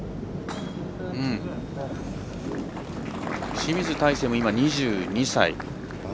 清水大成も今、２２歳。